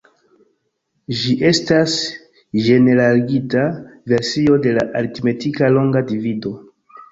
Ĝi estas ĝeneraligita versio de la aritmetika longa divido.